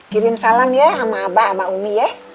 kirim salam ya sama abah sama umi ya